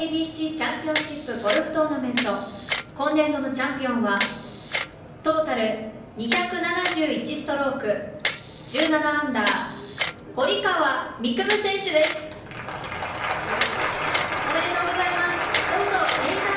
ＡＢＣチャンピオンシップゴルフトーナメント今年度のチャンピオンは、トータル２７１ストローク、１７アンダー、堀川未来